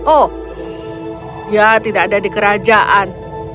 oh ya tidak ada di kerajaan